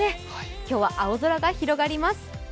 今日は青空が広がります。